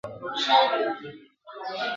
او که خدای مه کړه ..